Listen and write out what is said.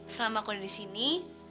selama aku ada di sini